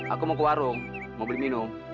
aku mau ke warung mau beli minum